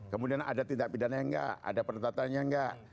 kemudian ada tindak pindahannya nggak ada pertatahannya nggak